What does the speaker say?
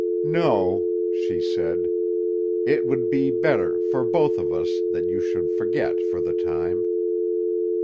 "No," she said, "it would be better—for both of us—that you should forget, for the time."